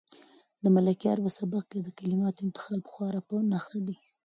د ملکیار په سبک کې د کلماتو انتخاب خورا په نښه دی.